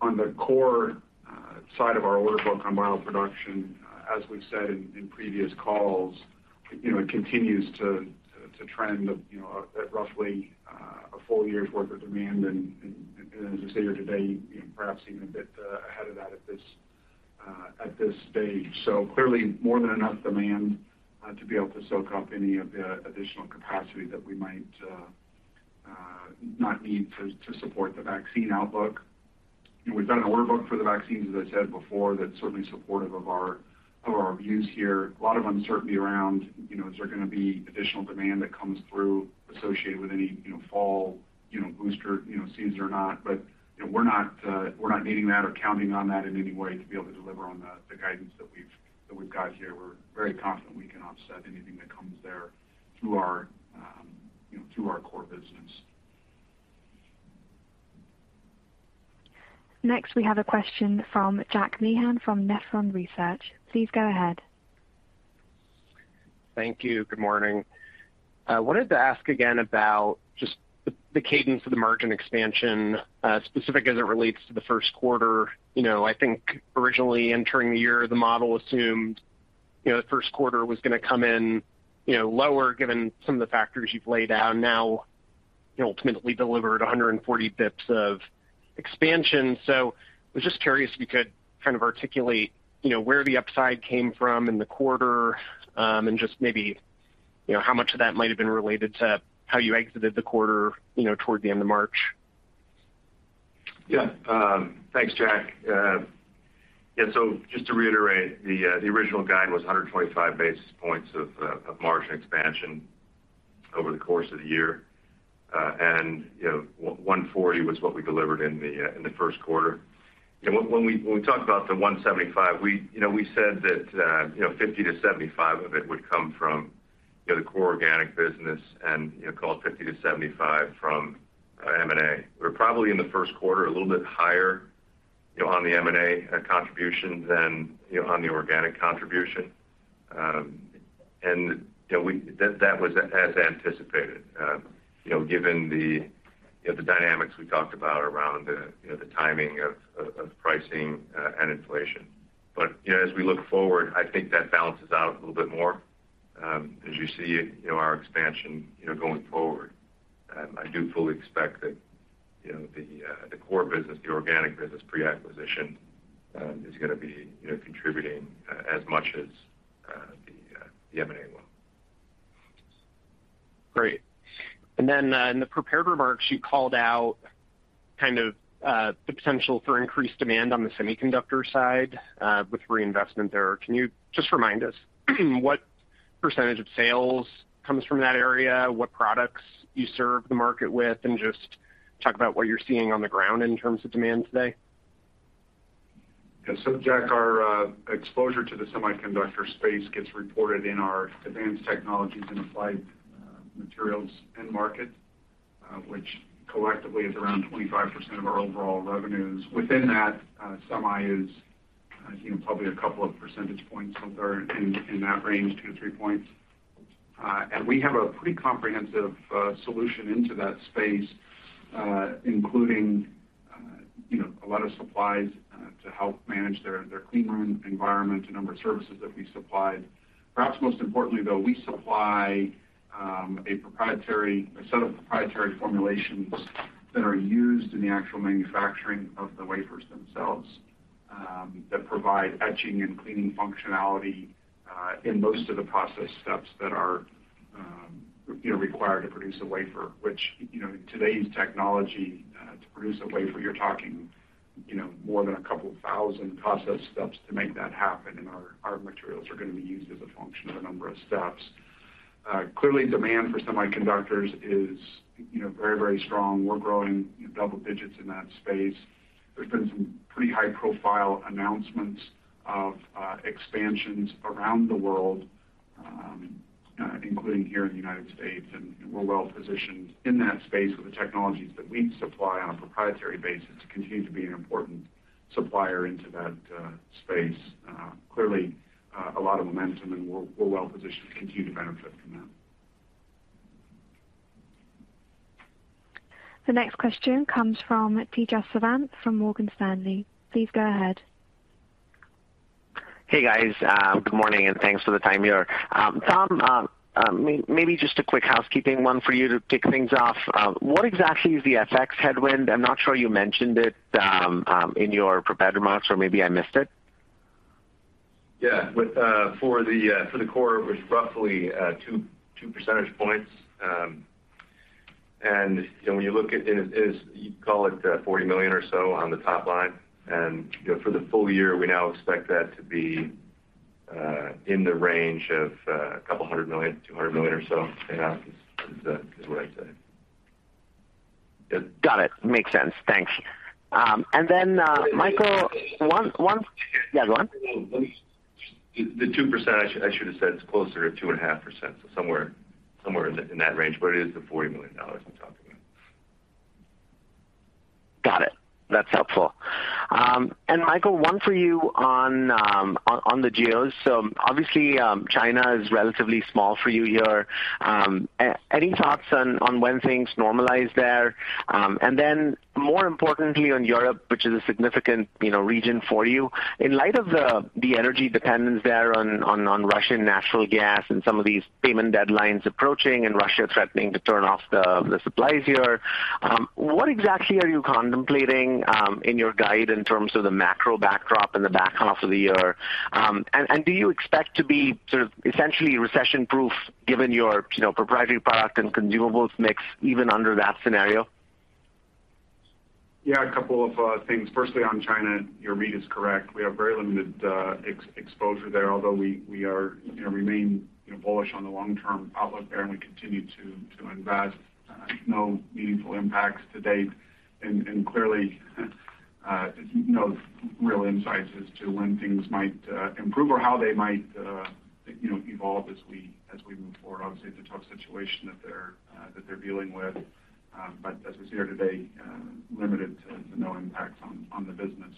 On the core side of our order book on bioproduction, as we've said in previous calls, you know it continues to trend you know at roughly a full year's worth of demand. As we say here today, perhaps even a bit ahead of that at this stage. Clearly more than enough demand to be able to soak up any of the additional capacity that we might not need to support the vaccine outlook. We've done an order book for the vaccines, as I said before, that's certainly supportive of our views here. A lot of uncertainty around, you know, is there going to be additional demand that comes through associated with any, you know, fall, you know, booster, you know, season or not. We're not needing that or counting on that in any way to be able to deliver on the guidance that we've got here. We're very confident we can offset anything that comes there through our, you know, through our core business. Next, we have a question from Jack Meehan from Nephron Research. Please go ahead. Thank you. Good morning. I wanted to ask again about just the cadence of the margin expansion, specific as it relates to the first quarter. You know, I think originally entering the year, the model assumed, you know, the first quarter was going to come in, you know, lower given some of the factors you've laid out. Now, you ultimately delivered 140 BPS of expansion. I was just curious if you could kind of articulate, you know, where the upside came from in the quarter. And just maybe, you know, how much of that might have been related to how you exited the quarter, you know, toward the end of March. Yeah. Thanks, Jack. Yeah. So just to reiterate, the original guide was 125 basis points of margin expansion over the course of the year. You know, 140 was what we delivered in the first quarter. When we talked about the 175, you know, we said that, you know, 50-75 of it would come from the core organic business and, you know, call it 50-75 from M&A. We're probably in the first quarter a little bit higher, you know, on the M&A contribution than, you know, on the organic contribution. That was as anticipated, you know, given the dynamics we talked about around the timing of pricing and inflation. you know, as we look forward, I think that balances out a little bit more, as you see, you know, our expansion, you know, going forward. I do fully expect that You know, the core business, the organic business pre-acquisition, is gonna be, you know, contributing, as much as, the M&A loan. Great. In the prepared remarks, you called out kind of the potential for increased demand on the semiconductor side, with reinvestment there. Can you just remind us what percentage of sales comes from that area, what products you serve the market with, and just talk about what you're seeing on the ground in terms of demand today? Jack, our exposure to the semiconductor space gets reported in our Advanced Technologies & Applied Materials end market, which collectively is around 25% of our overall revenues. Within that, semi is, you know, probably a couple of percentage points somewhere in that range, 2-3 points. We have a pretty comprehensive solution into that space, including, you know, a lot of supplies to help manage their clean room environment, a number of services that we supply. Perhaps most importantly, though, we supply a set of proprietary formulations that are used in the actual manufacturing of the wafers themselves, that provide etching and cleaning functionality in most of the process steps that are, you know, required to produce a wafer. Which, you know, in today's technology, to produce a wafer, you're talking, you know, more than a couple of thousand process steps to make that happen, and our materials are gonna be used as a function of a number of steps. Clearly demand for semiconductors is, you know, very, very strong. We're growing double digits in that space. There's been some pretty high profile announcements of expansions around the world, including here in the United States, and we're well positioned in that space with the technologies that we supply on a proprietary basis to continue to be an important supplier into that space. Clearly, a lot of momentum, and we're well positioned to continue to benefit from that. The next question comes from Tejas Savant from Morgan Stanley. Please go ahead. Hey, guys. Good morning, and thanks for the time here. Tom, maybe just a quick housekeeping one for you to kick things off. What exactly is the FX headwind? I'm not sure you mentioned it in your prepared remarks, or maybe I missed it. For the core, it was roughly two percentage points. You know, it is what you'd call $40 million or so on the top line. You know, for the full year, we now expect that to be in the range of a couple hundred million, $200 million or so. Yeah, is what I'd say. Got it. Makes sense. Thanks. Michael, one. The 2%, I should have said it's closer to 2.5%, so somewhere in that range. It is the $40 million I'm talking about. Got it. That's helpful. Michael, one for you on the geos. Obviously, China is relatively small for you here. Any thoughts on when things normalize there? More importantly on Europe, which is a significant, you know, region for you. In light of the energy dependence there on Russian natural gas and some of these payment deadlines approaching and Russia threatening to turn off the supplies here, what exactly are you contemplating in your guide in terms of the macro backdrop in the back half of the year? Do you expect to be sort of essentially recession-proof given your, you know, proprietary product and consumables mix even under that scenario? Yeah, a couple of things. Firstly, on China, your read is correct. We have very limited exposure there, although we remain, you know, bullish on the long-term outlook there, and we continue to invest. No meaningful impacts to date. Clearly, no real insights as to when things might improve or how they might, you know, evolve as we move forward. Obviously, it's a tough situation that they're dealing with. As we sit here today, limited to no impacts on the business.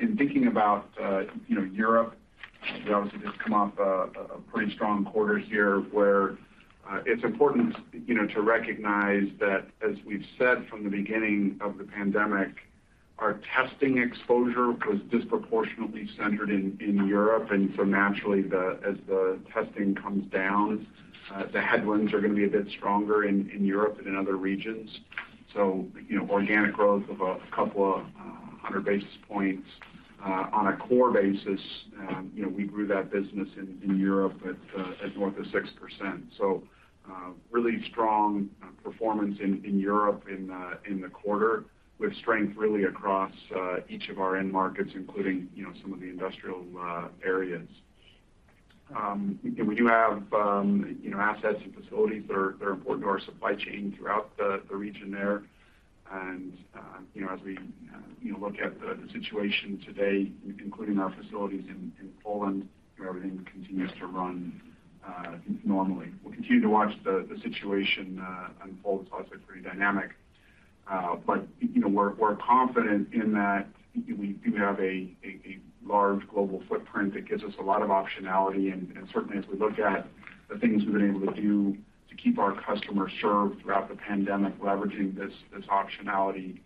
In thinking about, you know, Europe, we obviously just come off a pretty strong quarter here, where it's important, you know, to recognize that as we've said from the beginning of the pandemic, our testing exposure was disproportionately centered in Europe. Naturally, as the testing comes down, the headwinds are gonna be a bit stronger in Europe than in other regions. You know, organic growth of a couple of hundred basis points. On a core basis, you know, we grew that business in Europe at north of 6%. Really strong performance in Europe in the quarter with strength really across each of our end markets, including, you know, some of the industrial areas. We do have, you know, assets and facilities that are important to our supply chain throughout the region there. As we look at the situation today, including our facilities in Poland, you know, everything continues to run normally. We'll continue to watch the situation unfold. It's obviously pretty dynamic. You know, we're confident in that we do have a large global footprint that gives us a lot of optionality. Certainly as we look at the things we've been able to do to keep our customers served throughout the pandemic, leveraging this optionality,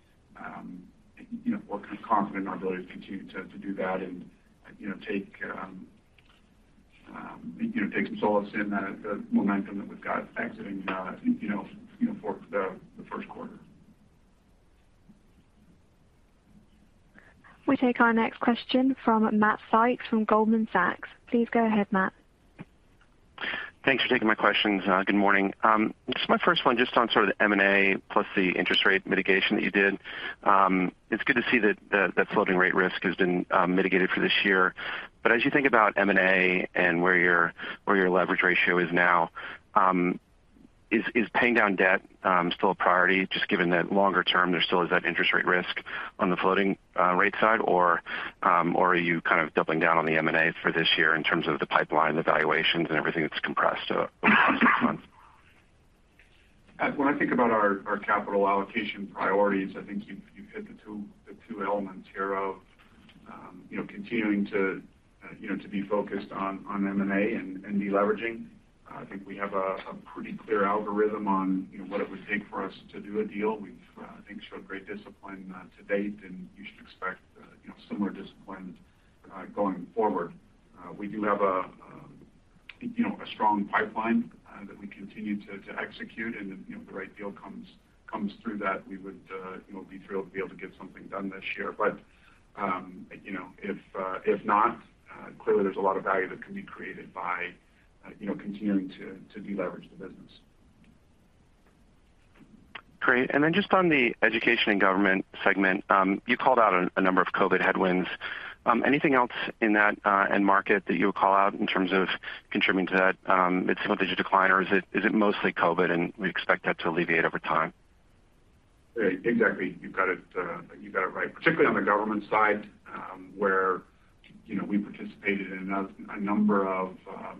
you know, we're kind of confident in our ability to continue to do that and, you know, take some solace in the momentum that we've got exiting, you know, for the first quarter. We take our next question from Matt Sykes from Goldman Sachs. Please go ahead, Matt. Thanks for taking my questions. Good morning. Just my first one, just on sort of the M&A plus the interest rate mitigation that you did. It's good to see that the floating rate risk has been mitigated for this year. As you think about M&A and where your leverage ratio is now, is paying down debt still a priority just given that longer term there still is that interest rate risk on the floating rate side? Or are you kind of doubling down on the M&A for this year in terms of the pipeline, the valuations, and everything that's compressed over the past six months? When I think about our capital allocation priorities, I think you hit the two elements here of you know continuing to you know to be focused on M&A and deleveraging. I think we have a pretty clear algorithm on you know what it would take for us to do a deal. We've I think showed great discipline to date, and you should expect you know similar discipline going forward. We do have a you know a strong pipeline that we continue to execute, and if you know the right deal comes through that, we would you know be thrilled to be able to get something done this year. You know, if not, clearly there's a lot of value that can be created by you know, continuing to deleverage the business. Great. Then just on the education and government segment, you called out a number of COVID headwinds. Anything else in that end market that you would call out in terms of contributing to that mid-single-digit decline, or is it mostly COVID, and we expect that to alleviate over time? Yeah, exactly. You've got it right. Particularly on the government side, where, you know, we participated in a number of,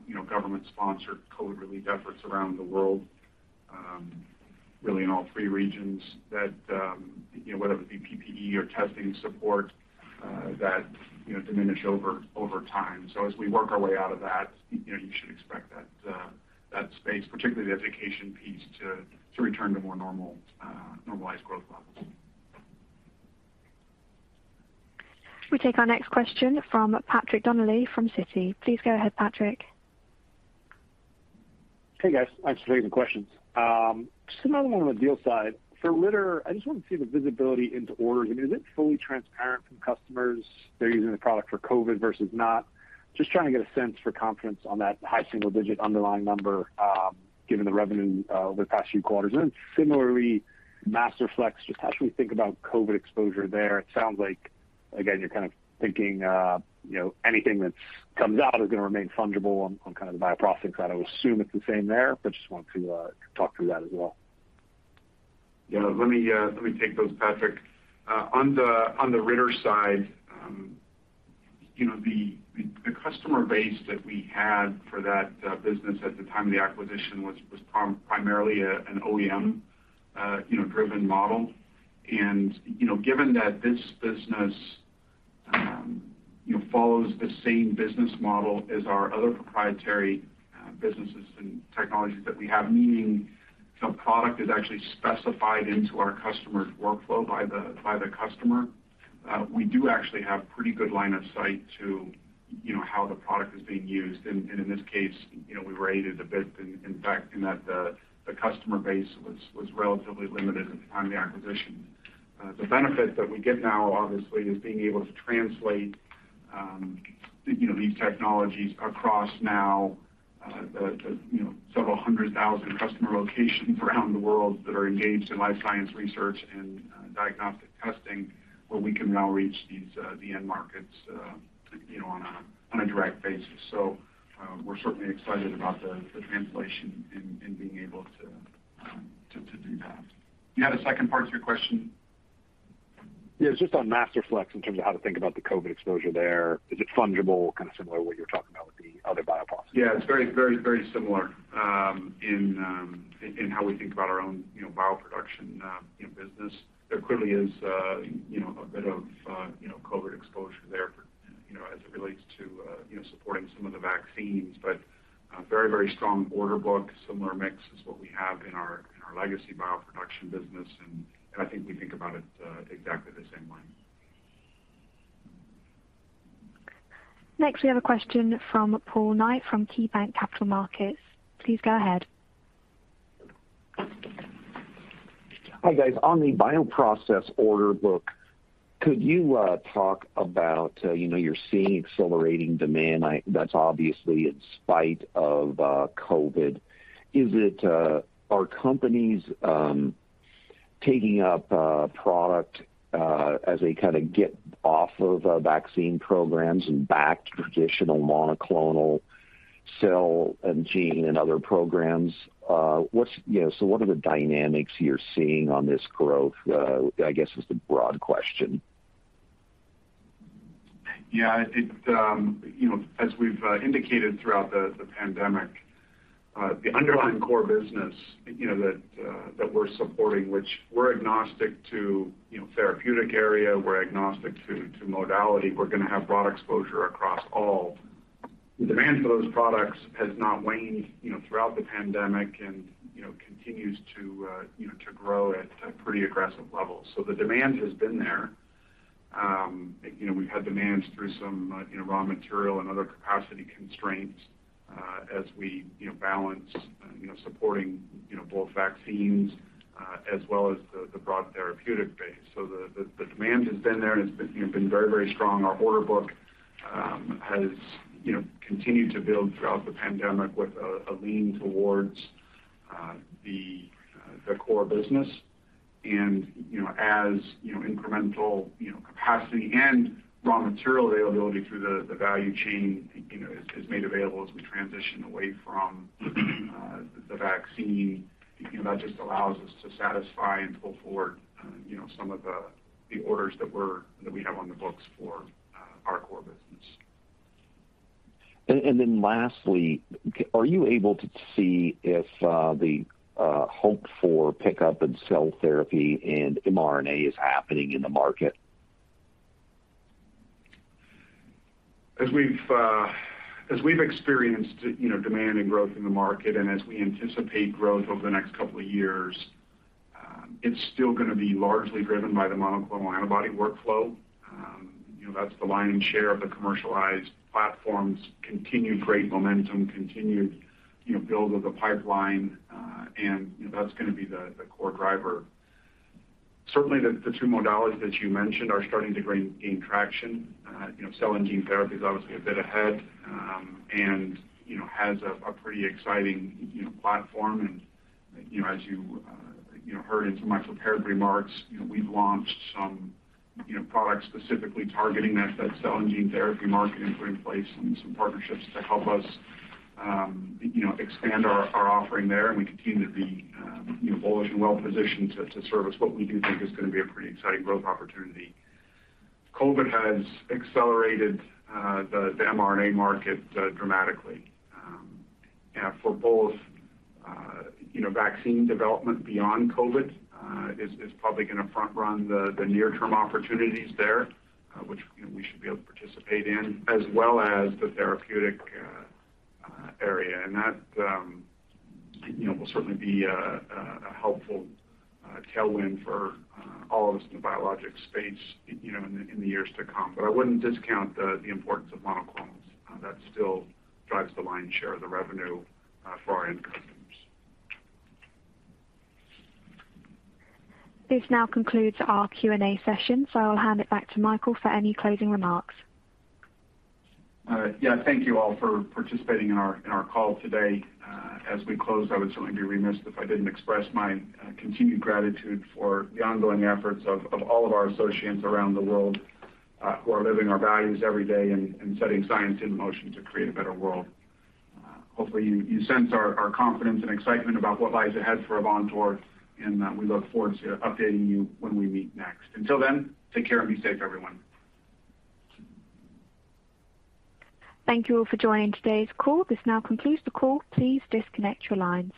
you know, government-sponsored COVID relief efforts around the world, really in all three regions that, you know, whether it be PPE or testing support, that, you know, diminish over time. So as we work our way out of that, you know, you should expect that space, particularly the education piece, to return to more normal, normalized growth levels. We take our next question from Patrick Donnelly from Citi. Please go ahead, Patrick. Hey, guys. Thanks for taking the questions. Just another one on the deal side. For Ritter, I just wanted to see the visibility into orders. I mean, is it fully transparent from customers if they're using the product for COVID versus not? Just trying to get a sense for confidence on that high single digit underlying number, given the revenue over the past few quarters. Similarly, Masterflex, just how should we think about COVID exposure there? It sounds like, again, you're kind of thinking, you know, anything that comes out is gonna remain fungible on kind of the bioprocessing side. I would assume it's the same there, but just wanted to talk through that as well. Yeah. Let me take those, Patrick. On the Ritter side, you know, the customer base that we had for that business at the time of the acquisition was primarily an OEM, you know, driven model. You know, given that this business, you know, follows the same business model as our other proprietary businesses and technologies that we have, meaning the product is actually specified into our customer's workflow by the customer, we do actually have pretty good line of sight to, you know, how the product is being used. In this case, you know, we were aided a bit in fact in that the customer base was relatively limited at the time of the acquisition. The benefit that we get now obviously is being able to translate, you know, these technologies across now, the you know, several hundred thousand customer locations around the world that are engaged in life science research and diagnostic testing, where we can now reach these the end markets, you know, on a direct basis. We're certainly excited about the translation in being able to do that. You had a second part to your question? Yeah, just on Masterflex in terms of how to think about the COVID exposure there. Is it fungible, kind of similar to what you were talking about with the other bioprocessing? Yeah. It's very similar in how we think about our own, you know, bioproduction, you know, business. There clearly is, you know, a bit of, you know, COVID exposure there for, you know, as it relates to, you know, supporting some of the vaccines. Very strong order book, similar mix as what we have in our, in our legacy bioproduction business, and I think we think about it exactly the same way. Next, we have a question from Paul Knight from KeyBanc Capital Markets. Please go ahead. Hi, guys. On the bioprocess order book, could you talk about, you know, you're seeing accelerating demand. That's obviously in spite of COVID. Is it? Are companies taking up product as they kinda get off of vaccine programs and back to traditional monoclonal cell and gene and other programs? You know, what are the dynamics you're seeing on this growth, I guess is the broad question? You know, as we've indicated throughout the pandemic, the underlying core business that we're supporting, which we're agnostic to, you know, therapeutic area, we're agnostic to modality, we're gonna have broad exposure across all. The demand for those products has not waned, you know, throughout the pandemic and, you know, continues to, you know, to grow at pretty aggressive levels. The demand has been there. You know, we've had to manage through some, you know, raw material and other capacity constraints as we, you know, balance, you know, supporting, you know, both vaccines as well as the broad therapeutic base. The demand has been there and has been, you know, been very strong. Our order book has, you know, continued to build throughout the pandemic with a lean towards the core business. You know, as, you know, incremental, you know, capacity and raw material availability through the value chain, you know, is made available as we transition away from the vaccine. You know, that just allows us to satisfy and pull forward, you know, some of the orders that we have on the books for our core business. Are you able to see if the hope for pickup in cell therapy and mRNA is happening in the market? As we've experienced, you know, demand and growth in the market and as we anticipate growth over the next couple of years, it's still gonna be largely driven by the monoclonal antibody workflow. You know, that's the lion's share of the commercialized platforms, continued great momentum, continued build of the pipeline, and you know that's gonna be the core driver. Certainly the two modalities that you mentioned are starting to gain traction. You know, cell and gene therapy is obviously a bit ahead, and you know has a pretty exciting platform. You know, as you heard in some of my prepared remarks, you know, we've launched some products specifically targeting that cell and gene therapy market and put in place some partnerships to help us expand our offering there. We continue to be bullish and well positioned to service what we do think is gonna be a pretty exciting growth opportunity. COVID has accelerated the mRNA market dramatically. For both vaccine development beyond COVID is probably gonna front run the near term opportunities there, which you know, we should be able to participate in, as well as the therapeutic area. That, you know, will certainly be a helpful tailwind for all of us in the biologic space, you know, in the years to come. I wouldn't discount the importance of monoclonals. That still drives the lion's share of the revenue for our end customers. This now concludes our Q&A session, so I'll hand it back to Michael for any closing remarks. Yeah. Thank you all for participating in our call today. As we close, I would certainly be remiss if I didn't express my continued gratitude for the ongoing efforts of all of our associates around the world, who are living our values every day and setting science in motion to create a better world. Hopefully you sense our confidence and excitement about what lies ahead for Avantor, and we look forward to updating you when we meet next. Until then, take care and be safe everyone. Thank you all for joining today's call. This now concludes the call. Please disconnect your lines.